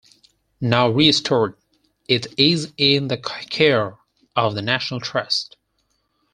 Now restored, it is in the care of the National Trust.